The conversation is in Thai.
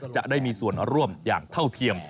จะได้มีส่วนร่วมอย่างเท่าเทียม